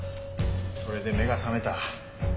それで目が覚めた。